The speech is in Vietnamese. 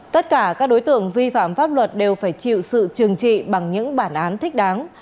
tất cả các đối tượng vi phạm pháp luật đều phải chịu sự trừng trị bằng những bản án thích đáng